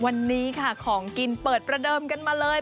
วันนี้ค่ะของกินเปิดประเดิมกันมาเลย